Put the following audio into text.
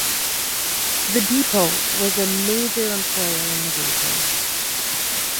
The depot was a major employer in the region.